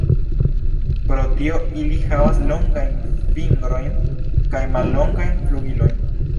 Pro tio ili havas longajn fingrojn kaj mallongajn flugilojn.